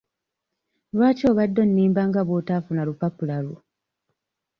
Lwaki obadde onnimba nga bw'otaafuna lupapula lwo?